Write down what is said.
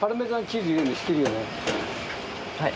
はい。